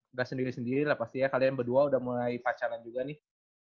nggak sendiri sendiri lah pasti ya kalian berdua udah mulai pacaran juga nih